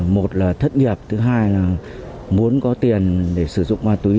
một là thất nghiệp thứ hai là muốn có tiền để sử dụng ma túy